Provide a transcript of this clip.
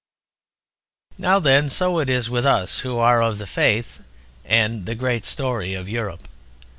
Now then, so it is with us who are of the Faith and the great story of Europe.